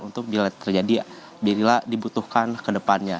untuk bila terjadi bila dibutuhkan ke depannya